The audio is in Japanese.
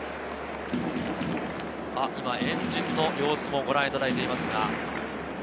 今、円陣の様子もご覧いただいています。